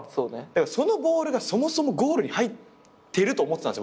そのボールがそもそもゴールに入ってると思ってたんです